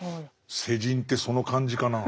世人ってその感じかな。